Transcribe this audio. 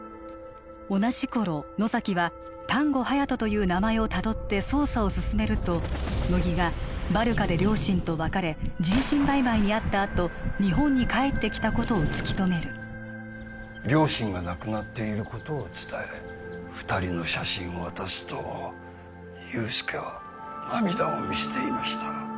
同じ頃野崎は丹後隼人という名前をたどって捜査を進めると乃木がバルカで両親と別れ人身売買に遭ったあと日本に帰ってきたことを突き止める両親が亡くなっていることを伝え二人の写真を渡すと憂助は涙を見せていました